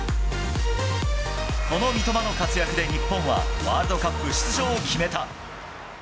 この三笘の活躍で日本はワールドカップ出場を決めた。